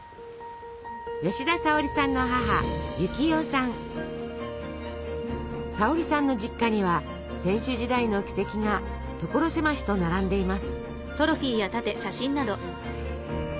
吉田沙保里さんの母沙保里さんの実家には選手時代の軌跡が所狭しと並んでいます。